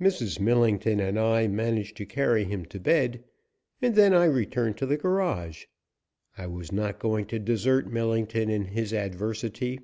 Mrs. Millington and I managed to carry him to bed, and then I returned to the garage. I was not going to desert Millington in his adversity.